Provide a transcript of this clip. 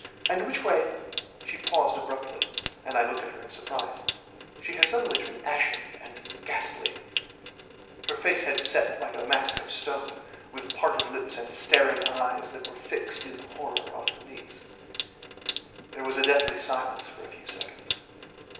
and which way " She paused abruptly, and I looked at her in surprise. She had suddenly turned ashen and ghastly; her face had set like a mask of stone, with parted lips and staring eyes that were fixed in horror on her niece. There was a deathly silence for a few seconds.